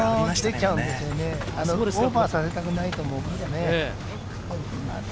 オーバーさせたくないと思うんだよね。